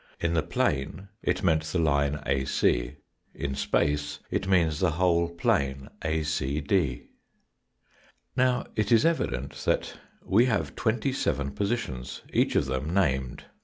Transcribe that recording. In the plane it meant the line AC. In space it means the whole plane ACD. Now, it is evident that we have twenty seven positions, each of them named.